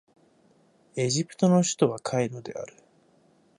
エジプトの首都はカイロである